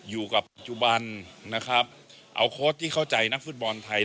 อยู่กับจุบันเอาโค้ชที่เข้าใจนักฟุตบอลไทย